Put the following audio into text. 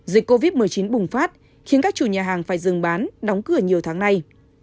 dịch covid một mươi chín bùng phát khiến các chủ nhà hàng phải dừng bán đóng cửa nhiều tháng nay